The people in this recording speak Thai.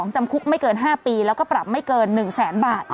จำคุกไม่เกิน๕ปีแล้วก็ปรับไม่เกิน๑แสนบาท